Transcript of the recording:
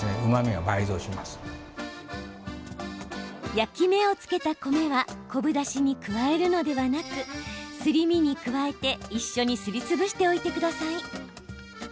焼き目をつけた米は昆布だしに加えるのではなくすり身に加えて、一緒にすりつぶしておいてください。